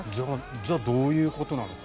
じゃあどういうことなのか。